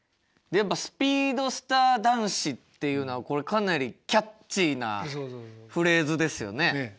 やっぱ「スピードスター男子」っていうのはこれかなりキャッチーなフレーズですよね。